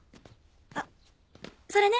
あっそれね。